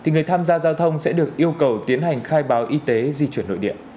người tham gia giao thông sẽ được yêu cầu tiến hành khai báo y tế di chuyển nội địa